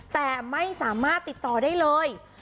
แต่ไม่สามารถติดต่อได้เลย